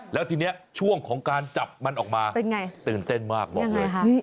แล้วทีนี้ช่วงของการจับมันออกมาเป็นไงตื่นเต้นมากบอกเลย